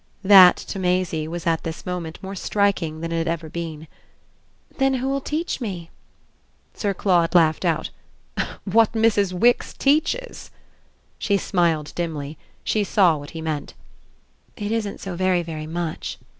That, to Maisie, was at this moment more striking than it had ever been. "Then who'll teach me?" Sir Claude laughed out. "What Mrs. Wix teaches?" She smiled dimly; she saw what he meant. "It isn't so very very much."